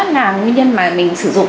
là nguyên nhân mà mình sử dụng